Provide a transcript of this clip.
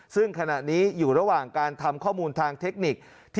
ซึ่งขณะนี้อยู่ระหว่างการทำข้อมูลทางเทคนิค